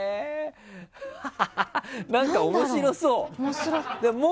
なんか面白そう。